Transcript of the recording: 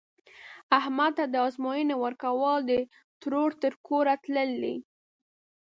احمد ته د ازموینې ورکول، د ترور تر کوره تلل دي.